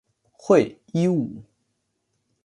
讳一武。